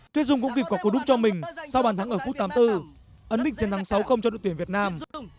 tuyết dung cũng kịp quả cú đúc cho mình sau bàn thắng ở phút tám mươi bốn ấn định trên tháng sáu không cho đội tuyển việt nam